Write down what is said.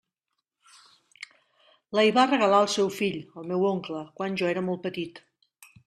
La hi va regalar el seu fill, el meu oncle, quan jo era molt petit.